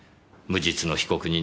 無実の被告人？